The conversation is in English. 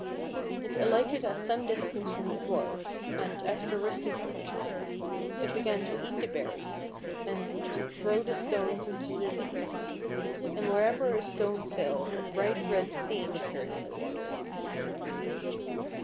It alighted at some distance from the dwarf, and, after resting for a time, it began to eat the berries and to throw the stones into the lake, and wherever a stone fell a bright red stain appeared in the water.